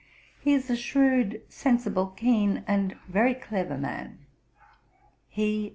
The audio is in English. He is a shrewd, sensible, keen, and very clever man.' Mme.